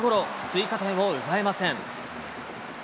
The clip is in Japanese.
追加点を奪えません。